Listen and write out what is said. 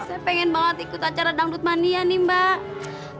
saya pengen banget ikut acara dangdut mania nih mbak